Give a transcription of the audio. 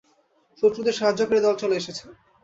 শত্রুদের সাহায্যকারী দল চলে এসেছে।